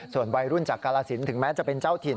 ส่วนวัยรุ่นจากกาลสินถึงแม้จะเป็นเจ้าถิ่น